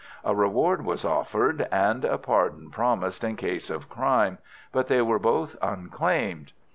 A reward was offered and a pardon promised in case of crime, but they were both unclaimed.